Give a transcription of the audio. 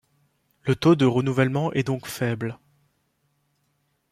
Le taux de renouvellement est donc faible.